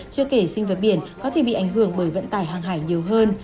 chưa kể sinh vật biển có thể bị ảnh hưởng bởi bộ